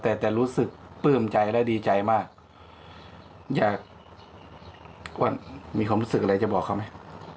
แต่แต่รู้สึกปลื้มใจและดีใจมากอยากมีความรู้สึกอะไรจะบอกเขาไหม